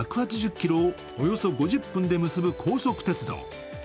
１８０ｋｍをおよそ５０分で結ぶ高速鉄道。